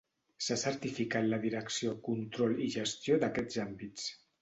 S'ha certificat la direcció, control i gestió d'aquests àmbits.